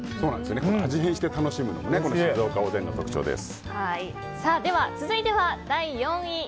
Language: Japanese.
味変して楽しむのも静岡おでんの特徴です。